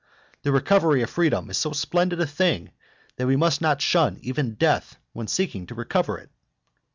The recovery of freedom is so splendid a thing that we must not shun even death when seeking to recover it.